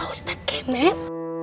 pak ustadz kemet